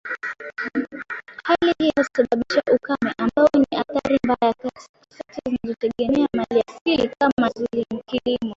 Hali hiyo husababisha ukame ambao ni athari mbaya kwa sekta zinazotegemea maliasili kama kilimo